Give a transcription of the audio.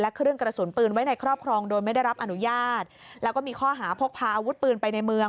และเครื่องกระสุนปืนไว้ในครอบครองโดยไม่ได้รับอนุญาตแล้วก็มีข้อหาพกพาอาวุธปืนไปในเมือง